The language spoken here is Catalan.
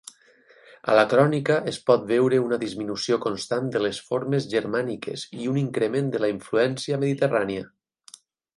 A la crònica es pot veure una disminució constant de les formes germàniques i un increment de la influència mediterrània.